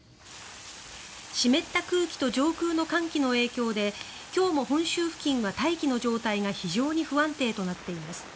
湿った空気と上空の寒気の影響で今日も本州付近は大気の状態が非常に不安定となっています。